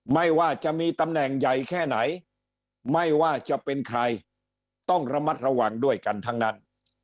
ไม่ว่าจะมีตำแหน่งใหญ่แค่ไหนไม่ว่าจะเป็นใครต้องระมัดระวังด้วยกันทั้งนั้น